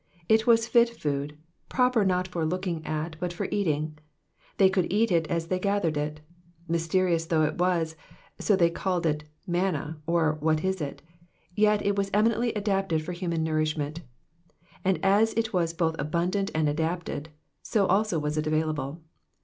It was fit food, proper not for looking at but for eating ; they could eat it as they gathered it. Mysterious though it was, so that they called it manna, or *' what is it ?" yet it was eminently adapted for human nourishment ; and as it was both abundant and adapted, so also was it available